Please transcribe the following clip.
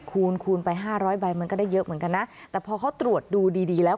คูณคูณไปห้าร้อยใบมันก็ได้เยอะเหมือนกันนะแต่พอเขาตรวจดูดีดีแล้ว